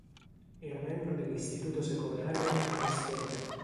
Era membro dell'Istituto secolare Cristo Re.